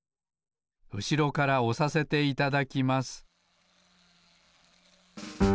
うしろからおさせていただきます